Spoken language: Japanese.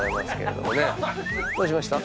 どうしました？